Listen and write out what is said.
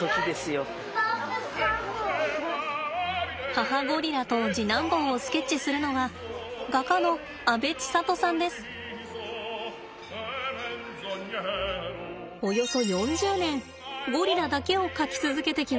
母ゴリラと次男坊をスケッチするのはおよそ４０年ゴリラだけを描き続けてきました。